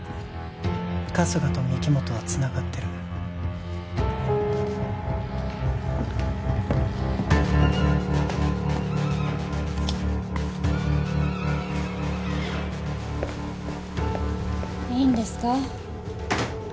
春日と御木本はつながってるいいんですか？